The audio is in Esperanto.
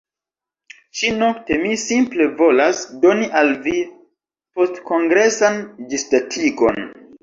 Ĉi-nokte mi simple volas doni al vi postkongresan ĝisdatigon